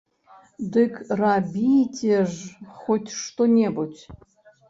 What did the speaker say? Дык рабіце ж хоць што-небудзь!